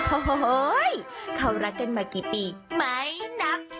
โอ้โหเขารักกันมากี่ปีไหมนัก